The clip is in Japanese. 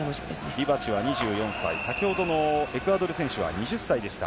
リバチは２４歳先ほどのエクアドル選手は２０歳でした。